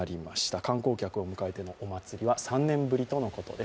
観光客を迎えてのおまつりは３年ぶりとのことです。